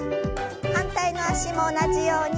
反対の脚も同じように。